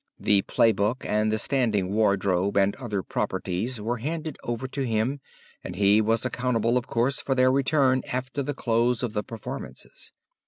The play book and the standing wardrobe and other properties were handed over to him, and he was accountable, of course, for their return after the close of the performances.